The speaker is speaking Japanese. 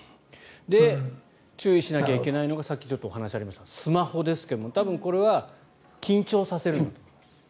注意しなきゃいけないのがさっきちょっと話がありましたがスマホですけれどもこれは脳を緊張させる。